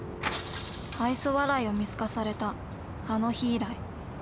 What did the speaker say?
愛想笑いを見透かされたあの日以来。